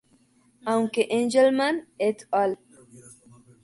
Aunque Engelmann "et al.